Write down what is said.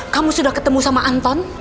kamu sudah ketemu sama anton